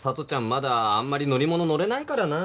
まだあんまり乗り物乗れないからな。